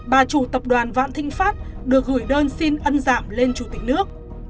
bà chủ tập đoàn vạn thịnh pháp được gửi đơn xin ân giảm lên chủ tịch nước